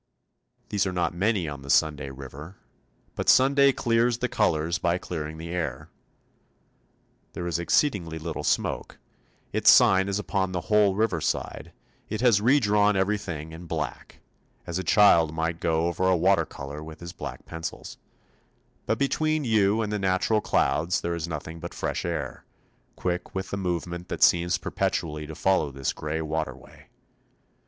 These are not many on the Sunday river, but Sunday clears the colours by clearing the air. There is exceedingly little smoke; its sign is upon the whole river side, it has re drawn everything in black, as a child might go over a water colour with his black pencils, but between you and the natural clouds there is nothing but fresh air, quick with the movement that seems perpetually to follow this grey waterway.